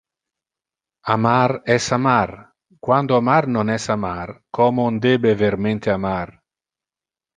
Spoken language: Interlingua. Amar es amar, quando amar non es amar como on debe vermente amar.